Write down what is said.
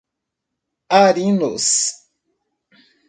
Arinos